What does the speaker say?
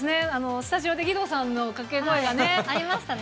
スタジオで義堂さんの掛け声がね、ありましたね。